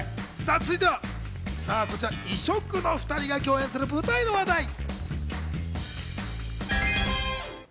続いてはこちら、異色の２人が共演する舞台の話題。